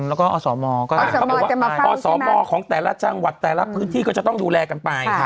แลก็อสมอสมจะมาฟังใช่ไหมอสมของแต่ละจังหวัดแต่ละพื้นที่ก็จะต้องดูแลกันไป